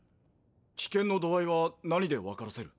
危険の度合いは何で分からせる？